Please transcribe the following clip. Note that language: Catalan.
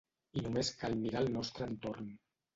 I només cal mirar el nostre entorn.